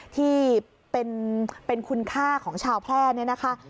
ที่เป็นคุณค่าของชาวแพร่เนี่ยนะคะ